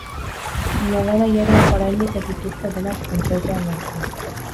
Nolanahi ere, oraindik ez dituzte denak kontrolpean hartu.